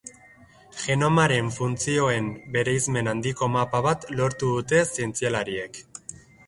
Genomaren funtzioen bereizmen handiko mapa bat lortu dute zientzialariek.